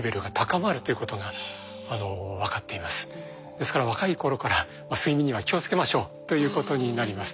ですから若い頃から睡眠には気をつけましょうということになります。